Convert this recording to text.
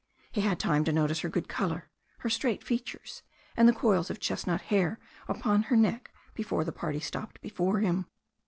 He had time to notice her good colour, her straight features, and the coils of chestnut hair upon her neck before the party stopped before him.